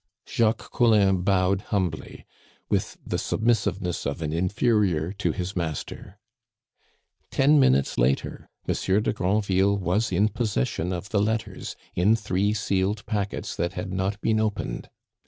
Jacques Collin bowed humbly, with the submissiveness of an inferior to his master. Ten minutes later, Monsieur de Granville was in possession of the letters in three sealed packets that had not been opened!